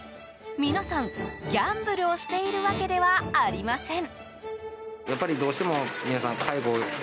皆さん、ギャンブルをしているわけではありません。